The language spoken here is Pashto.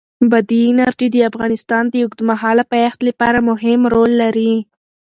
بادي انرژي د افغانستان د اوږدمهاله پایښت لپاره مهم رول لري.